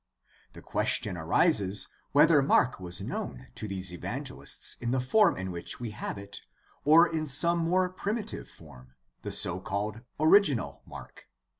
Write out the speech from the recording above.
The question arises whether Mark was known to these evangel ists in the form in which we haVe it or in some more primitive form, the so called original Mark.